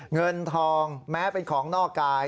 เงินทองแม้เป็นของนอกกาย